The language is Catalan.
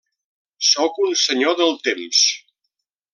Sóc un Senyor del Temps.